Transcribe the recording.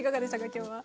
今日は。